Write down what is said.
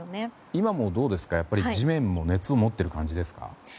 今も地面熱持っている感じですか？